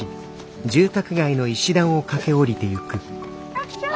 拓ちゃん。